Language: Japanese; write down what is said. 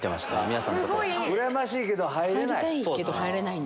うらやましいけど入れない。